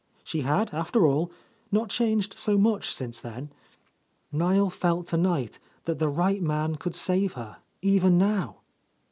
She had, after all, not changed so much since then. Niel felt tonight that the right man could save her, even now.